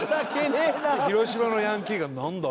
広島のヤンキーが「なんだ？